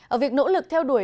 ở việc nỗ lực theo đuổi